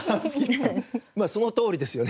まあそのとおりですよね。